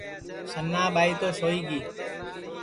سننا ٻائی تو سوئی گی